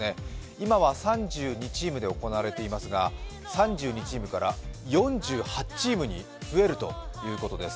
今は３２チームで行われていますが、３２チームから４８チームに増えるということです。